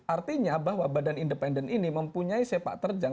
artinya bahwa badan independen ini mempunyai sepak terjang